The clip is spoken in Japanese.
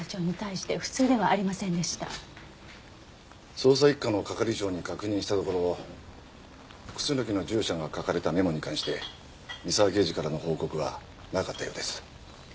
捜査一課の係長に確認したところ楠木の住所が書かれたメモに関して三沢刑事からの報告はなかったようです。